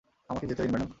আমাকে যেতে দিন, ম্যাডাম।